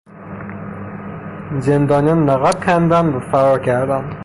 زندانیان نقب کندند و فرار کردند.